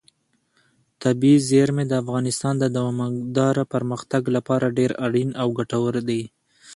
طبیعي زیرمې د افغانستان د دوامداره پرمختګ لپاره ډېر اړین او ګټور دي.